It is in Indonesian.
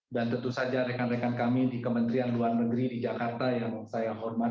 dan tentu saja rekan rekan kami di kementerian luar negeri di jakarta yang saya hormati